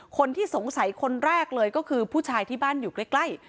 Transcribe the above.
คนที่สงสัยคนแรกเลยก็คือผู้ชายที่บ้านอยู่ใกล้